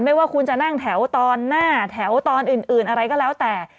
ว่าคุณจะนั่งแถวตอนหน้าแถวตอนอื่นอะไรก็แล้วแต่